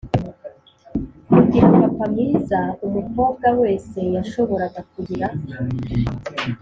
kugira papa mwiza umukobwa wese yashoboraga kugira.